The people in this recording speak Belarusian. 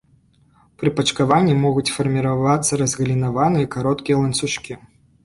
Пры пачкаванні могуць фарміравацца разгалінаваныя, кароткія ланцужкі.